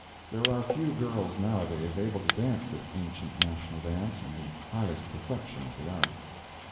There are few girls now a days able to dance this ancient national dance in the highest perfection of the art.